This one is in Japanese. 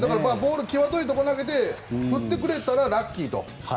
きわどいところ投げて振ってくれたらラッキーと。